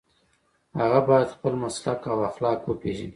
هغه باید خپل مسلک او اخلاق وپيژني.